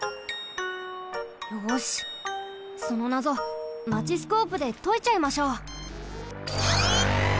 よしそのなぞマチスコープでといちゃいましょう。